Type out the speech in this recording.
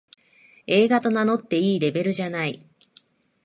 映画と名乗っていいレベルじゃない